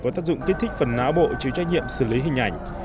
có tác dụng kích thích phần não bộ chịu trách nhiệm xử lý hình ảnh